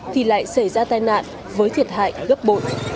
thì lại xảy ra tai nạn với thiệt hại gấp bội